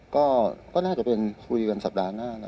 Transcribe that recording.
ก็น่าจะเป็นคุยกันสัปดาห์หน้านะ